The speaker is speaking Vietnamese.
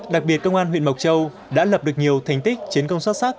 đặc biệt công an huyện mộc châu đã lập được nhiều thành tích chiến công xuất sắc